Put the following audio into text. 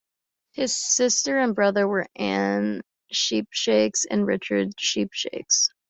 His sister and brother were Anne Sheepshanks and Richard Sheepshanks.